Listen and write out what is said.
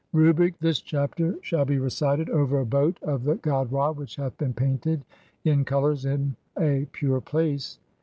Rubric : [this chapter shall bfj recited over a boat of the GOD RA WHICH HATH BEEN PAINTED (39) IN COLOURS IN A PURE PLACE.